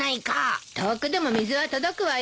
遠くでも水は届くわよ。